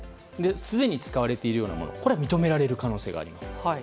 すでに使われているようなものは認められる可能性があります。